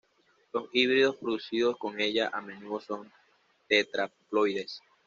Los híbridos producidos con ella a menudo son tetraploides.